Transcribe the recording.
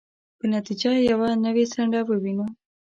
په نتیجه کې یوه نوې څنډه ووینو.